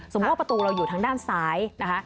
ว่าประตูเราอยู่ทางด้านซ้ายนะคะ